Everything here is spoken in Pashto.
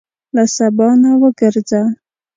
له سبا نه وګرځه.